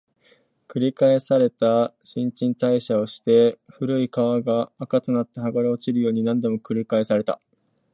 繰り返された、新陳代謝をして、古い皮が垢となって剥がれ落ちるように、何度も繰り返された